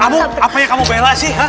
kamu apa yang kamu bela sih